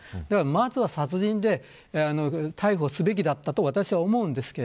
まずは、殺人で逮捕すべきだったと私は思います。